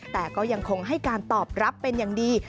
แต่ก็ยังคงให้การตอบรับเป็นอย่างดี